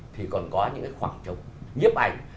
thì còn có những cái khoảng trống nhiếp ảnh